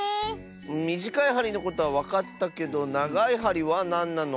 みじかいはりのことはわかったけどながいはりはなんなの？